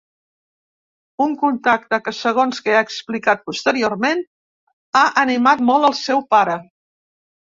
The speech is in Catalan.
Un contacte que, segons que ha explicat posteriorment, ha animat molt el seu pare.